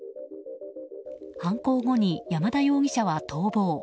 犯行後に、山田容疑者は逃亡。